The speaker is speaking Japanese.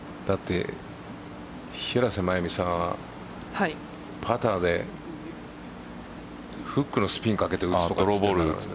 平瀬真由美さんはパターでフックのスピンをかけて打つドローボール。